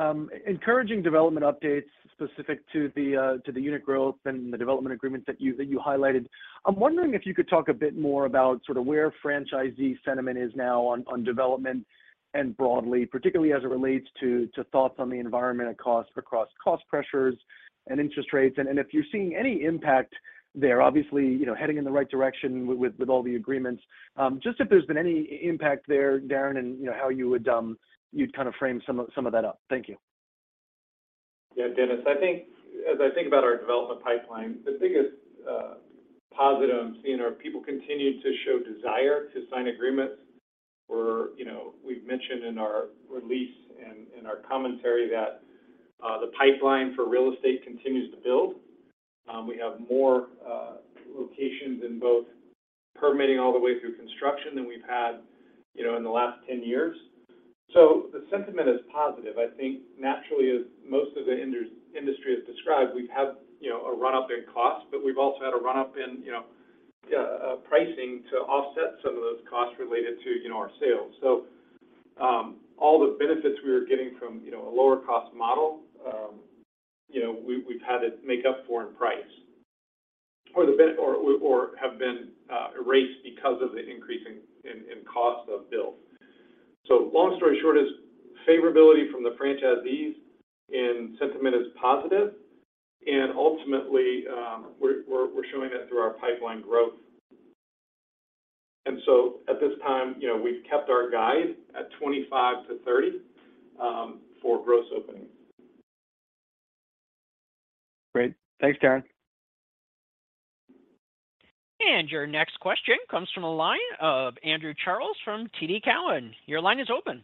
Encouraging development updates specific to the unit growth and the development agreements that you highlighted. I'm wondering if you could talk a bit more about sort of where franchisee sentiment is now on development and broadly, particularly as it relates to thoughts on the environment and cost across cost pressures and interest rates. If you're seeing any impact there, obviously, you know, heading in the right direction with all the agreements. Just if there's been any impact there, Darin, you know, how you would kind of frame some of that up. Thank you. Yeah, Dennis. I think as I think about our development pipeline, the biggest positive I'm seeing are people continue to show desire to sign agreements. We're, you know, we've mentioned in our release and in our commentary that the pipeline for real estate continues to build. We have more locations in both permitting all the way through construction than we've had, you know, in the last 10 years. The sentiment is positive. I think naturally, as most of the industry has described, we've had, you know, a run-up in costs, but we've also had a run-up in, you know, pricing to offset some of those costs related to, you know, our sales. All the benefits we were getting from, you know, a lower cost model, you know, we've had to make up for in price or have been erased because of the increasing in cost of build. Long story short is favorability from the franchisees and sentiment is positive, and ultimately, we're showing that through our pipeline growth. At this time, you know, we've kept our guide at 25-30 for gross opening. Great. Thanks, Darin. Your next question comes from the line of Andrew Charles from TD Cowen. Your line is open.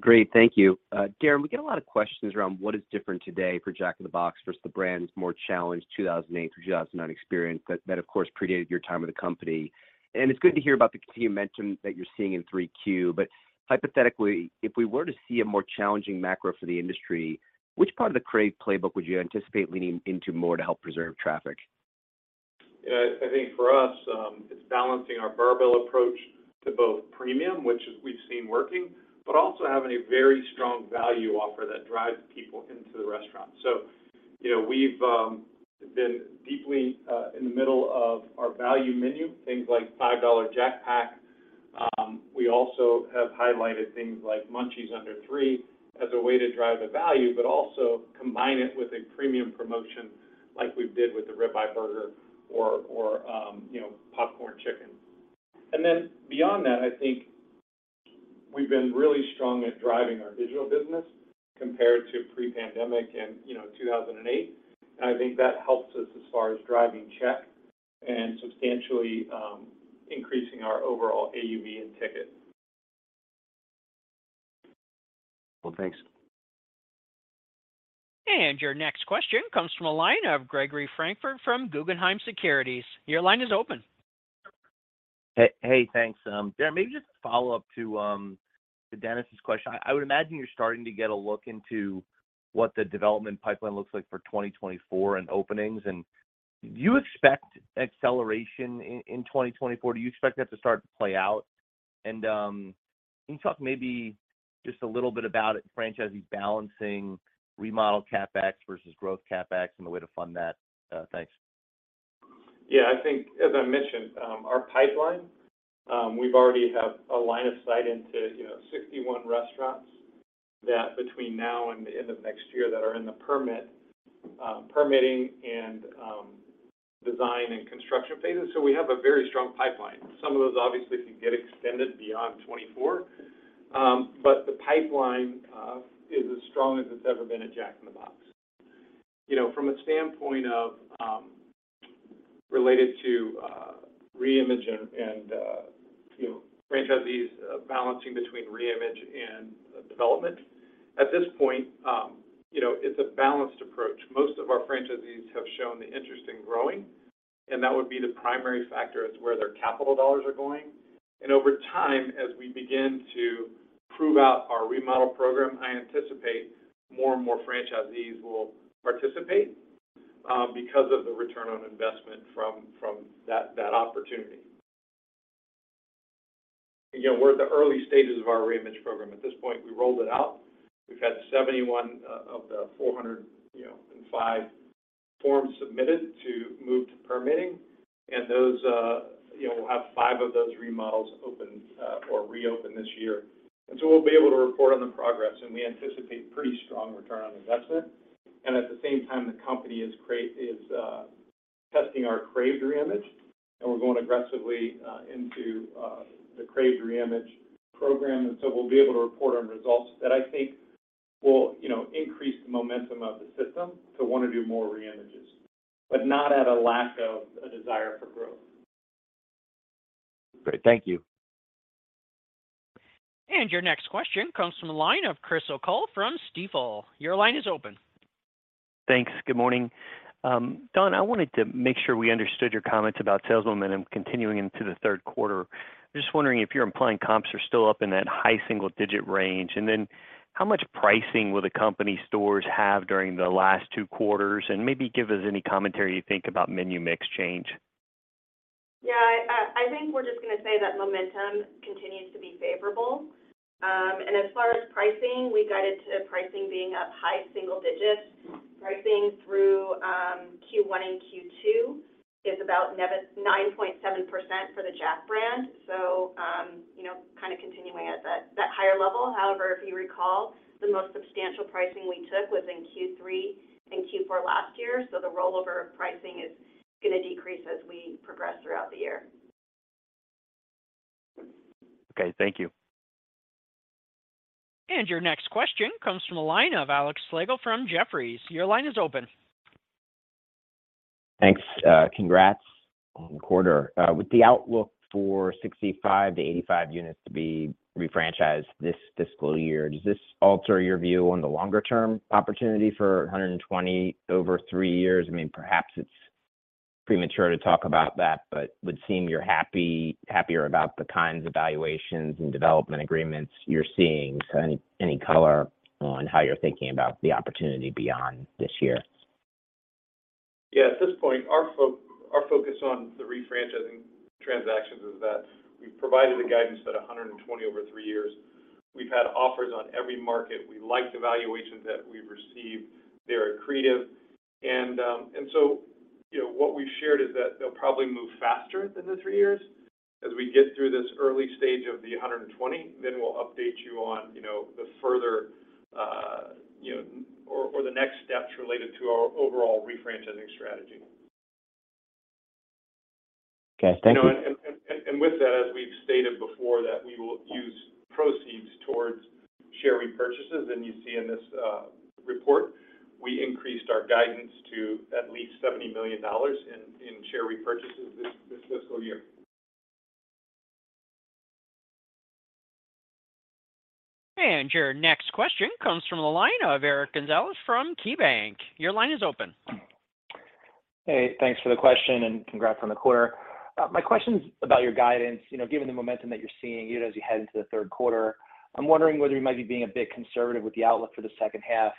Great. Thank you. Darin, we get a lot of questions around what is different today for Jack in the Box versus the brand's more challenged 2008, 2009 experience. That, of course, predated your time with the company. It's good to hear about the continued momentum that you're seeing in 3Q. Hypothetically, if we were to see a more challenging macro for the industry, which part of the Crave playbook would you anticipate leaning into more to help preserve traffic? I think for us, it's balancing our barbell approach to both premium, which we've seen working, but also having a very strong value offer that drives people into the restaurant. you know, we've been deeply in the middle of our value menu, things like $5 Jack Pack. We also have highlighted things like Munchies Under $3 as a way to drive the value, but also combine it with a premium promotion like we did with the Ribeye Burger or, you know, Popcorn Chicken. Beyond that, I think we've been really strong at driving our digital business compared to pre-pandemic and, you know, 2008. I think that helps us as far as driving check and substantially increasing our overall AUV and ticket. Well, thanks. Your next question comes from a line of Gregory Francfort from Guggenheim Securities. Your line is open. Hey, hey, thanks. Darin, maybe just to follow up to Dennis's question. I would imagine you're starting to get a look into what the development pipeline looks like for 2024 and openings. Do you expect acceleration in 2024? Do you expect that to start to play out? Can you talk maybe just a little bit about franchisees balancing remodel CapEx versus growth CapEx and the way to fund that? Thanks. Yeah. I think as I mentioned, our pipeline, we've already have a line of sight into 61 restaurants that between now and the end of next year that are in the permitting and design and construction phases. We have a very strong pipeline. Some of those obviously can get extended beyond 2024. The pipeline is as strong as it's ever been at Jack in the Box. From a standpoint of related to reimage and franchisees balancing between reimage and development, at this point, it's a balanced approach. Most of our franchisees have shown the interest in growing, and that would be the primary factor as to where their capital dollars are going. Over time, as we begin to prove out our remodel program, I anticipate more and more franchisees will participate because of the ROI from that opportunity. We're at the early stages of our reimage program. At this point, we rolled it out. We've had 71 of the 400, you know, and five forms submitted to move to permitting. Those, you know, we'll have five of those remodels open or reopen this year. We'll be able to report on the progress, and we anticipate pretty strong ROI. At the same time, the company is testing our Crave reimage, and we're going aggressively into the Crave reimage program. We'll be able to report on results that I think will, you know, increase the momentum of the system to want to do more reimages, but not at a lack of a desire for growth. Great. Thank you. Your next question comes from a line of Chris O'Cull from Stifel. Your line is open. Thanks. Good morning, I wanted to make sure we understood your comments about sales momentum continuing into the third quarter. Just wondering if you're implying comps are still up in that high single-digit range? How much pricing will the company stores have during the last two quarters? Maybe give us any commentary you think about menu mix change? Yeah. I think we're just gonna say that momentum continues to be favorable. As far as pricing, we guided to pricing being up high single digits. Pricing through Q one and Q two is about 9.7% for the Jack brand. You know, kind of continuing at that higher level. However, if you recall, the most substantial pricing we took was in Q three and Q four last year. The rollover of pricing is gonna decrease as we progress throughout the year. Okay. Thank you. Your next question comes from a line of Alex Slagle from Jefferies. Your line is open. Thanks. Congrats on the quarter. With the outlook for 65-85 units to be refranchised this fiscal year, does this alter your view on the longer term opportunity for 120 over three years? I mean, perhaps it's premature to talk about that, but would seem you're happier about the kinds of valuations and development agreements you're seeing. Any, any color on how you're thinking about the opportunity beyond this year? Yeah. At this point, our focus on the refranchising transactions is that we've provided a guidance at 120 over three years. We've had offers on every market. We like the valuations that we've received. They're accretive. You know, what we've shared is that they'll probably move faster than the three years as we get through this early stage of the 120. We'll update you on, you know, the further, you know, or the next steps related to our overall refranchising strategy. Okay. Thank you. You know, and with that, as we've stated before, that we will use proceeds towards share repurchases. You see in this report, we increased our guidance to at least $70 million in share repurchases this fiscal year. Your next question comes from the line of Eric Gonzalez from KeyBanc. Your line is open. Hey, thanks for the question. Congrats on the quarter. My question's about your guidance. You know, given the momentum that you're seeing, you know, as you head into the 3rd quarter, I'm wondering whether you might be being a bit conservative with the outlook for the 2nd half,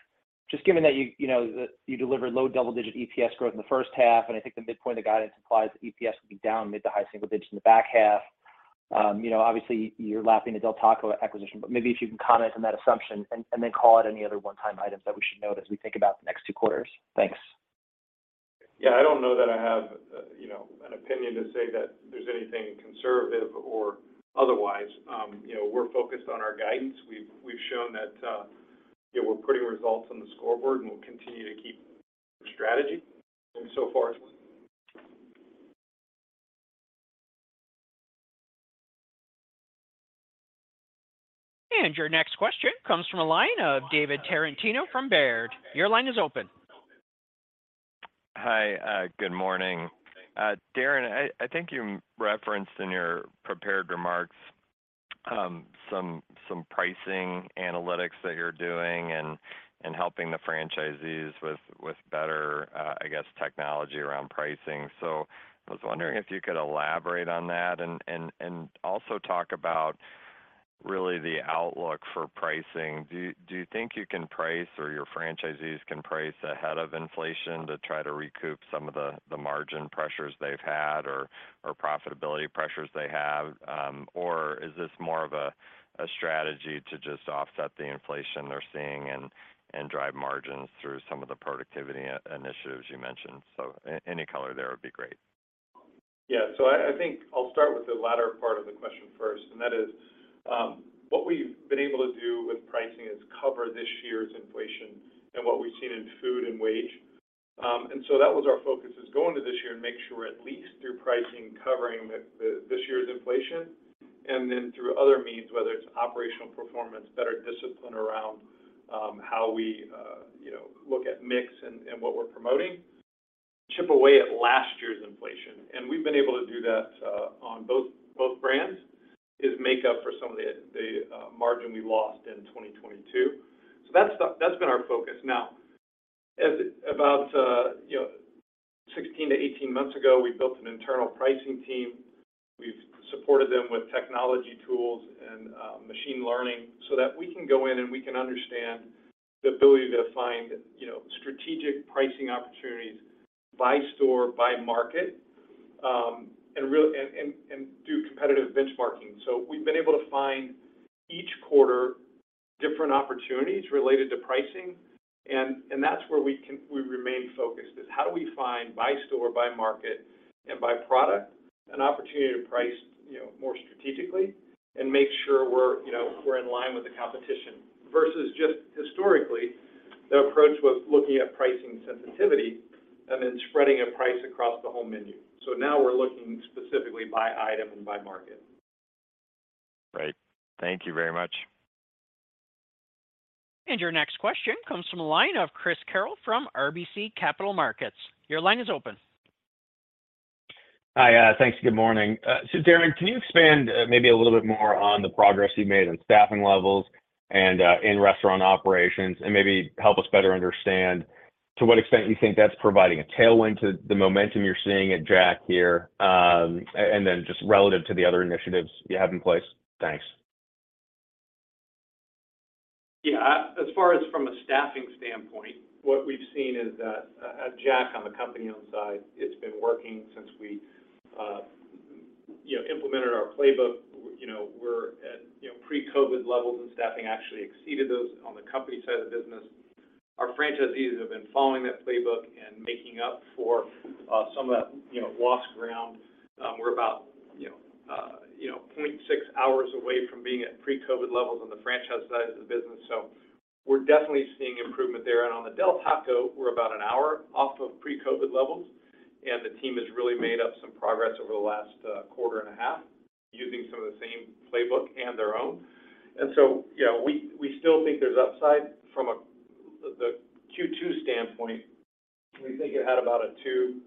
just given that you know, that you delivered low double-digit EPS growth in the 1st half. I think the midpoint of the guidance implies that EPS will be down mid to high single digits in the back half. You know, obviously, you're lapping the Del Taco acquisition. Maybe if you can comment on that assumption and then call out any other one-time items that we should note as we think about the next two quarters. Thanks. Yeah, I don't know that I have, you know, an opinion to say that there's anything conservative or otherwise. You know, we're focused on our guidance. We've shown that, you know, we're putting results on the scoreboard, and we'll continue to keep strategy so far. Your next question comes from a line of David Tarantino from Baird. Your line is open. Hi, good morning. Darin, I think you referenced in your prepared remarks, some pricing analytics that you're doing and helping the franchisees with better, I guess, technology around pricing. I was wondering if you could elaborate on that and also talk about really the outlook for pricing. Do you think you can price or your franchisees can price ahead of inflation to try to recoup some of the margin pressures they've had or profitability pressures they have? Or is this more of a strategy to just offset the inflation they're seeing and drive margins through some of the productivity initiatives you mentioned? Any color there would be great. Yeah. I think I'll start with the latter part of the question first, and that is, what we've been able to do with pricing is cover this year's inflation and what we've seen in food and wage. That was our focus is go into this year and make sure at least through pricing, covering this year's inflation. Through other means, whether it's operational performance, better discipline around, you know, how we look at mix and what we're promoting, chip away at last year's inflation. We've been able to do that on both brands is make up for some of the margin we lost in 2022. That's been our focus. Now as about, you know, 16 to 18 months ago, we built an internal pricing team. We've supported them with technology tools and machine learning so that we can go in and we can understand the ability to find, you know, strategic pricing opportunities by store, by market, and do competitive benchmarking. We've been able to find each quarter different opportunities related to pricing and that's where we remain focused is how do we find by store, by market, and by product an opportunity to price, you know, more strategically and make sure we're, you know, we're in line with the competition versus just historically, the approach was looking at pricing sensitivity and then spreading a price across the whole menu. Now we're looking specifically by item and by market. Great. Thank you very much. Your next question comes from a line of Chris Carril from RBC Capital Markets. Your line is open. Hi. thanks. Good morning. Darin, can you expand, maybe a little bit more on the progress you've made on staffing levels and, in restaurant operations, and maybe help us better understand to what extent you think that's providing a tailwind to the momentum you're seeing at Jack in the Box here, and then just relative to the other initiatives you have in place? Thanks. As far as from a staffing standpoint, what we've seen is that at Jack on the company-owned side, it's been working since we, you know, implemented our playbook. You know, we're at, you know, pre-COVID levels, and staffing actually exceeded those on the company side of the business. Our franchisees have been following that playbook and making up for, some of that, you know, lost ground. We're about, you know, you know, 0.6 hours away from being at pre-COVID levels on the franchise side of the business. We're definitely seeing improvement there. On the Del Taco, we're about 1 hour off of pre-COVID levels, and the team has really made up some progress over the last, quarter and a half using some of the same playbook and their own. You know, we still think there's upside from the Q2 standpoint. We think it had about a 2%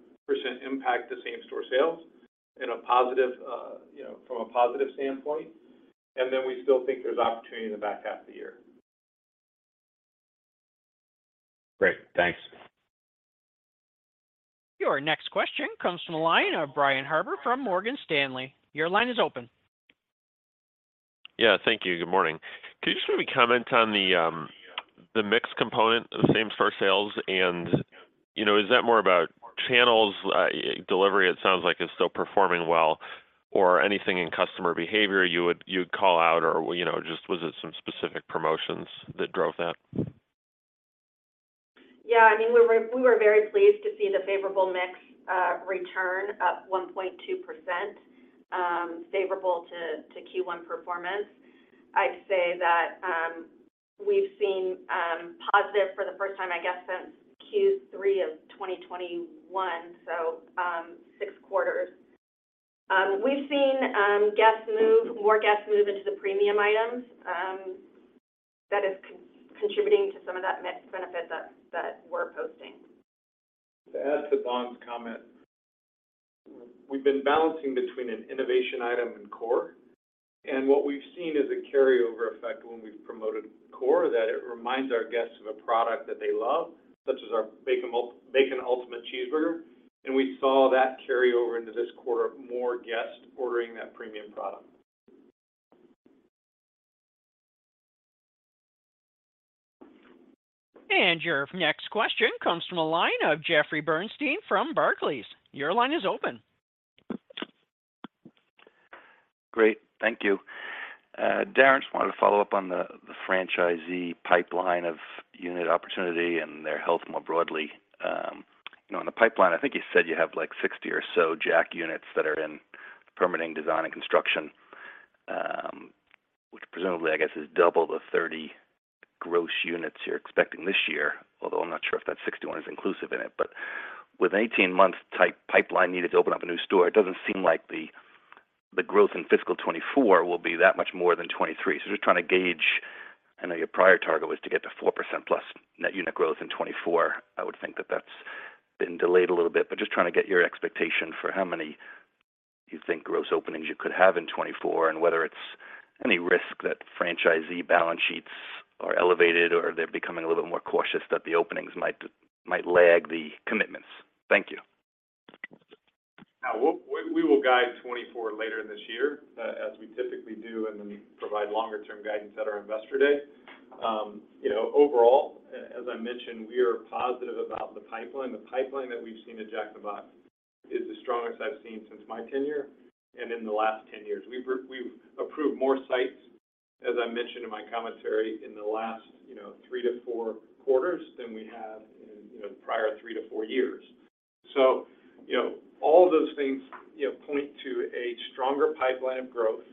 impact to same-store sales in a positive, you know, from a positive standpoint. We still think there's opportunity in the back half of the year. Great. Thanks. Your next question comes from the line of Brian Harbour from Morgan Stanley. Your line is open. Yeah. Thank you. Good morning. Could you just maybe comment on the mix component of the same-store sales? You know, is that more about channels? Delivery, it sounds like is still performing well or anything in customer behavior you'd call out or, you know, just was it some specific promotions that drove that? I mean, we were very pleased to see the favorable mix return up 1.2%, favorable to Q1 performance. I'd say that we've seen positive for the 1st time, I guess, since Q3 of 2021, so six quarters. We've seen more guests move into the premium items that is contributing to some of that mix benefit that we're posting. To add to Dawn's comment, we've been balancing between an innovation item and core. What we've seen is a carryover effect when we've promoted core, that it reminds our guests of a product that they love, such as our Bacon Ultimate Cheeseburger. We saw that carry over into this quarter, more guests ordering that premium product. Your next question comes from a line of Jeffrey Bernstein from Barclays. Your line is open. Great. Thank you. Darin, just wanted to follow up on the franchisee pipeline of unit opportunity and their health more broadly. You know, on the pipeline, I think you said you have, like, 60 or so Jack units that are in permitting design and construction, which presumably, I guess, is double the 30 gross units you're expecting this year. I'm not sure if that 61 is inclusive in it. With an 18-month type pipeline needed to open up a new store, it doesn't seem like the growth in fiscal 2024 will be that much more than 2023. Just trying to gauge. I know your prior target was to get to 4% plus net unit growth in 2024. I would think that that's been delayed a little bit, just trying to get your expectation for how many you think gross openings you could have in 2024, and whether it's any risk that franchisee balance sheets are elevated or they're becoming a little bit more cautious that the openings might lag the commitments. Thank you. We will guide 2024 later this year, as we typically do. We provide longer term guidance at our Investor Day. You know, overall, as I mentioned, we are positive about the pipeline. The pipeline that we've seen at Jack in the Box is the strongest I've seen since my tenure and in the last 10 years. We've approved more sites, as I mentioned in my commentary, in the last, you know, three to four quarters than we have in, you know, prior three to four years. You know, all those things, you know, point to a stronger pipeline of growth.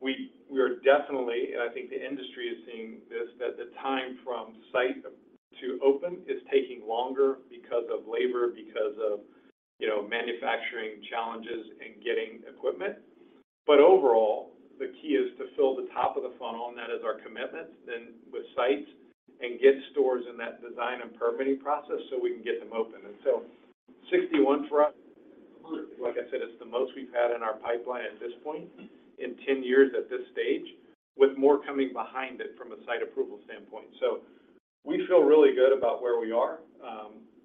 We are definitely, and I think the industry is seeing this, that the time from site to open is taking longer because of labor, because of, you know, manufacturing challenges and getting equipment. Overall, the key is to fill the top of the funnel, and that is our commitment, and with sites, and get stores in that design and permitting process, so we can get them open. 61 for us, like I said, it's the most we've had in our pipeline at this point in 10 years at this stage, with more coming behind it from a site approval standpoint. We feel really good about where we are.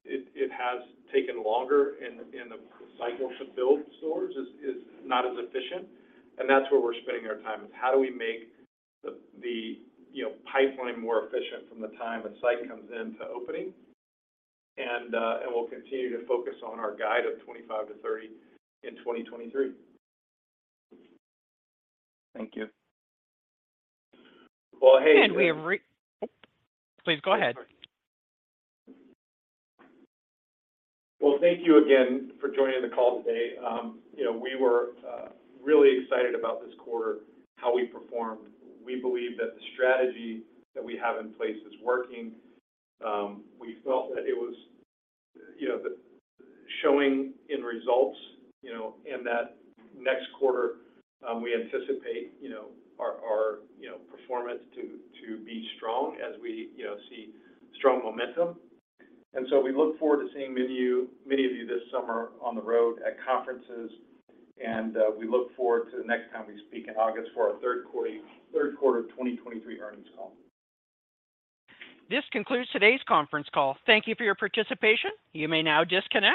It has taken longer in the cycle to build stores. It's not as efficient, and that's where we're spending our time, is how do we make the, you know, pipeline more efficient from the time a site comes in to opening. We'll continue to focus on our guide of 25-30 in 2023. Thank you. Well. Oh, please go ahead. Well, thank you again for joining the call today. You know, we were really excited about this quarter, how we performed. We believe that the strategy that we have in place is working. We felt that it was, you know, the showing in results, you know, and that next quarter, we anticipate, you know, our, you know, performance to be strong as we, you know, see strong momentum. We look forward to seeing many of you this summer on the road at conferences. We look forward to the next time we speak in August for our 3rd quarter 2023 earnings call. This concludes today's conference call. Thank you for your participation. You may now disconnect.